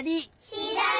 ひだり！